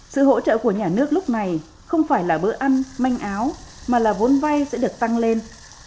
sự hỗ trợ của nhà nước lúc này không phải là bữa ăn manh áo mà là vốn vay sẽ được tăng lên